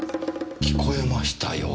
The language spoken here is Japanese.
聞こえましたよ。